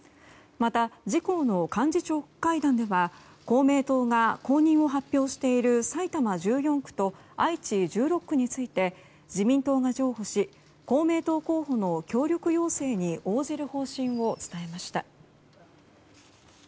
また、自公の幹事長会談では公明党が公認を発表している埼玉１４区と愛知１６区について自民党が譲歩し公明党候補の協力要請に応じる方針を伝えました。